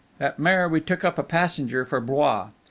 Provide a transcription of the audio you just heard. At Mer we took up a passenger for Blois.